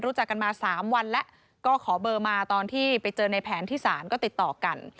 รู้จักกันมา๓วันแล้วก็ขอเบอร์มาตอนที่ไปเจอในแผนที่ศาลก็ติดต่อกัน